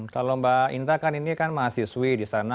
kalau mbak inta kan ini kan mahasiswi di sana